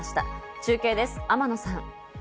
中継です、天野さん。